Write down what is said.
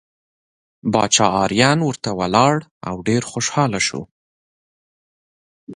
باچا اریان ورته ولاړ او ډېر خوشحاله شو.